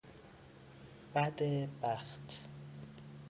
بد بخت